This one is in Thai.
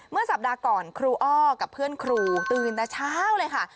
เมื่อสัปดาห์ก่อนครูอ้อกับเพื่อนครูตื่นแต่เช้าเลยค่ะ